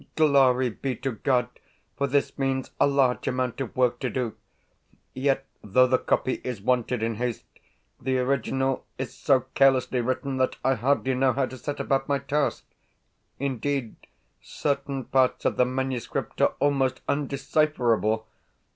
Glory be to God, for this means a large amount of work to do. Yet, though the copy is wanted in haste, the original is so carelessly written that I hardly know how to set about my task. Indeed, certain parts of the manuscript are almost undecipherable.